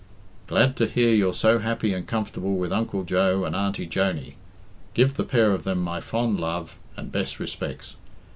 'Glad to hear you're so happy and comfortable with Uncle Joe and Auntie Joney. Give the pair of them my fond love and best respects.